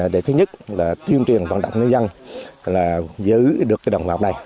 để thứ nhất là tiêu truyền vận động nữ dân là giữ được đàn vọc này